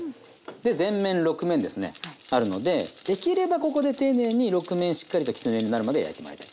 で全面６面ですねあるのでできればここで丁寧に６面しっかりときつね色になるまで焼いてもらいたい。